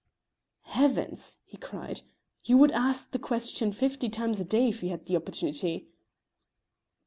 "Heavens!" he cried, "you would ask the question fifty times a day if you had the opportunity."